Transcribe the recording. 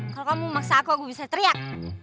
kalau kamu memaksa aku aku bisa teriak